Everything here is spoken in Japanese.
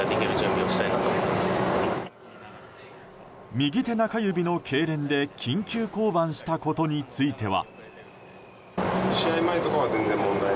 右手中指のけいれんで緊急降板したことについては。